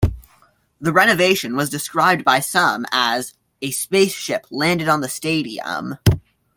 The renovation was described by some as "a spaceship landed on the stadium".